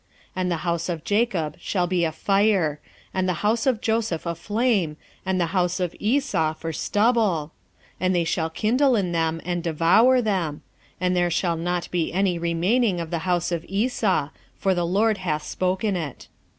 1:18 And the house of Jacob shall be a fire, and the house of Joseph a flame, and the house of Esau for stubble, and they shall kindle in them, and devour them; and there shall not be any remaining of the house of Esau; for the LORD hath spoken it.